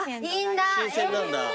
新鮮なんだ。